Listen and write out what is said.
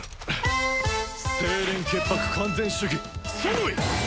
清廉潔白完全主義ソノイ！